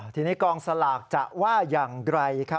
ทีนี้กองสลากจะว่าอย่างไร